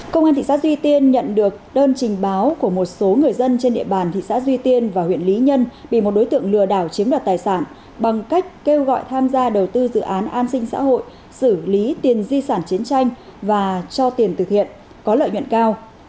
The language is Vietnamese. công an thị xã duy tiên nhận được đơn trình báo của một số người dân trên địa bàn thị xã duy tiên và huyện lý nhân bị một đối tượng lừa đảo chiếm đoạt tài sản bằng cách kêu gọi tham gia đầu tư dự án an sinh xã hội xử lý tiền di sản chiến tranh và cho tiền thực hiện có lợi nhuận cao